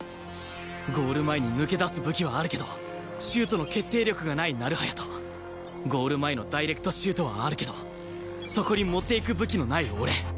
ゴール前に抜け出す武器はあるけどシュートの決定力がない成早とゴール前のダイレクトシュートはあるけどそこに持っていく武器のない俺